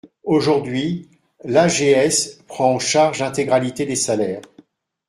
Aujourd’hui, l’AGS prend en charge l’intégralité des salaires.